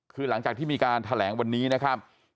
คือหลังจากที่มีการแถลงวันนี้นะครับ